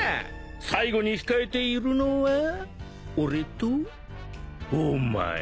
最後に控えているのは俺とお前。